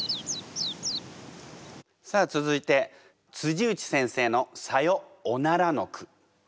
さあ続いて内先生の「さよおなら」の句こちらです。